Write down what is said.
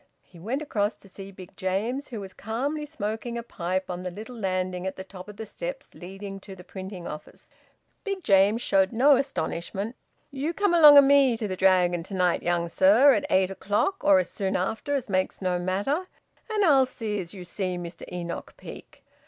He went across to see Big James, who was calmly smoking a pipe on the little landing at the top of the steps leading to the printing office. Big James showed no astonishment. "You come along o' me to the Dragon to night, young sir, at eight o'clock, or as soon after as makes no matter, and I'll see as you see Mr Enoch Peake.